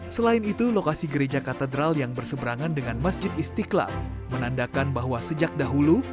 selain itu lokasi gereja katedral yang berseberangan dengan masjid istiqlal menandakan bahwa sejak dahulu